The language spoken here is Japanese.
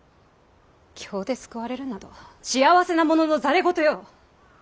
経で救われるなど幸せなもののざれ言よ。